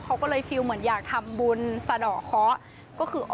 เขาเลยรู้สึกว่าอยากทำบุญสะดอกเคาะ